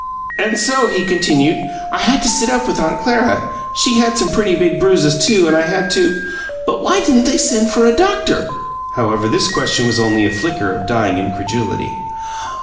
"And so," he continued, "I had to sit up with Aunt Clara. She had some pretty big bruises, too, and I had to " "But why didn't they send for a doctor?" However, this question was only a flicker of dying incredulity.